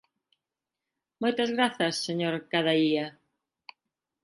Moitas grazas, señor Cadaía.